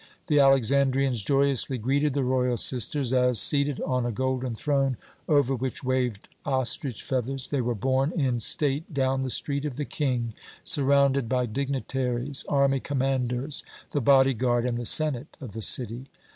The Alexandrians joyously greeted the royal sisters, as, seated on a golden throne, over which waved ostrich feathers, they were borne in state down the Street of the King, surrounded by dignitaries, army commanders, the body guard, and the senate of the city.